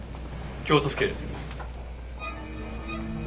京都府警です。